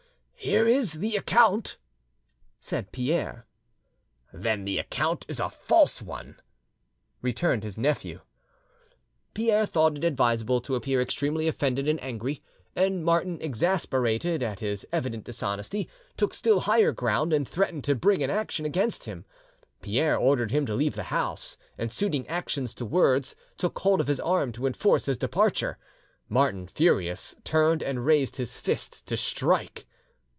"Here is the account," said Pierre. "Then the account is a false one," returned his nephew. Pierre thought it advisable to appear extremely offended and angry, and Martin, exasperated at his evident dishonesty, took still higher ground, and threatened to bring an action against him. Pierre ordered him to leave the house, and suiting actions to words, took hold of his arm to enforce his departure. Martin, furious, turned and raised his fist to strike.